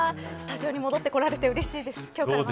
スタジオに戻ってこられてうれしいです。